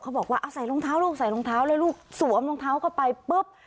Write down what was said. บอกว่าเอาใส่รองเท้าลูกใส่รองเท้าแล้วลูกสวมรองเท้าเข้าไปปุ๊บ